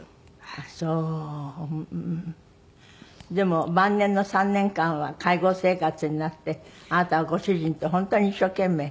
でも晩年の３年間は介護生活になってあなたはご主人と本当に一生懸命。